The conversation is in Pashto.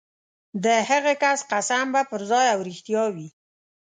د هغه کس قسم به پرځای او رښتیا وي.